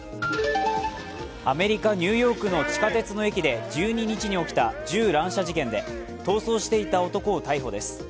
アメリカ・ニューヨークの地下鉄の駅で１２日に起きた銃乱射事件で逃走していた男を逮捕です。